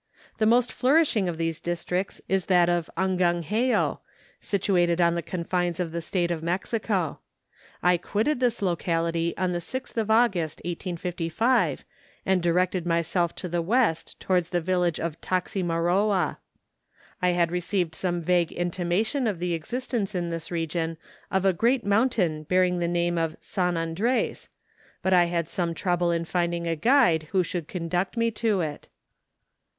The most flourishing of these districts is that of Angangeo, situated on the confines of the State of Mexico. I quitted this locality on the 6th of August, 1855, and directed myself to the west towards the village of Taximaroa. I had received some vague intimation of the existence in this region of a great mountain bearing the name of San Andres, but I liad some trouble in finding a guide who should conduct me to it.